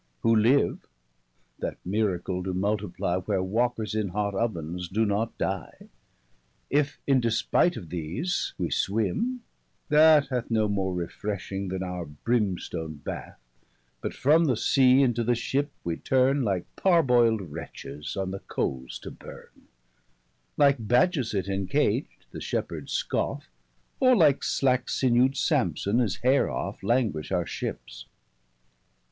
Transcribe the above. Who live, that miracle do multiply Where walkers in hot Ovens, doe not dye. If in despite of these, wee swimme, that hath No more refreshing, then our brimstone Bath, 30 But from the sea, into the ship we turne, Like parboyl'd wretches, on the coales to burne. Like Bajazet encag'd, the shepheards scoffe, Or like slacke sinew'd Sampson, his haire off, Languish our ships.